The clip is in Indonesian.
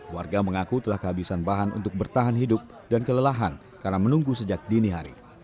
warga mengaku telah kehabisan bahan untuk bertahan hidup dan kelelahan karena menunggu sejak dini hari